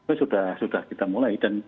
itu sudah kita mulai